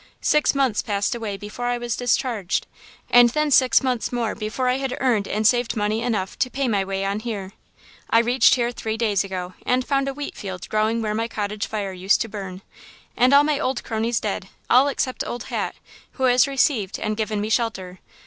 Six months passed away before I was discharged, and then six months more before I had earned and saved money enough to pay my way on here. "I reached here three days ago and found a wheat field growing where my cottage fire used to burn, and all my old cronies dead, all except Old Hat, who has received and given me shelter.